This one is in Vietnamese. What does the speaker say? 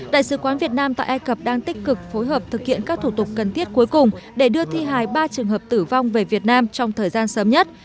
đại sứ quán việt nam tại ai cập đang tích cực phối hợp thực hiện các thủ tục cần thiết cuối cùng để đưa thi hài ba trường hợp tử vong về việt nam trong thời gian sớm nhất